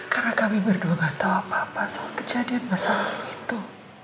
karena kami berdua gak tahu apa apa soal kejadian masa lalu itu